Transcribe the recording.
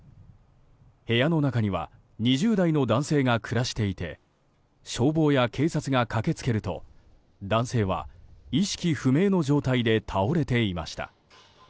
部屋の中には２０代の男性が暮らしていて消防や警察が駆けつけると男性は意識不明の状態で倒れていました。